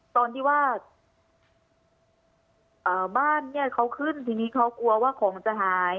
ตอนที่ว่าบ้านเนี่ยเขาขึ้นทีนี้เขากลัวว่าของจะหาย